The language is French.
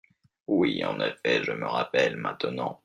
Oui en effet, je me rappelle maintenant.